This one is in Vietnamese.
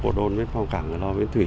của đồn biên phòng cán cửa lò bến thủy